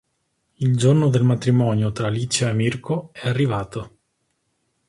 Il giorno del matrimonio tra Licia e Mirko è arrivato.